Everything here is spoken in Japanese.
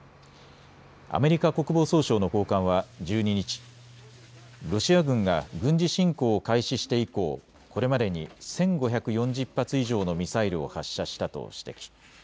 アメリカ国防総省の高官は１２日、ロシア軍が軍事侵攻を開始して以降、これまでに１５４０発以上のミサイルを発射したと指摘。